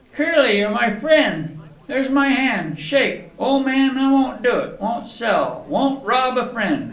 "Curly, you're my frien'. There's my han'. Shake. Ol' man, I won't do it. Won't sell. Won't rob a frien'.